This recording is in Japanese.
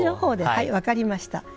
はい分かりました。